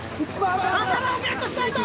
宝をゲットしないと。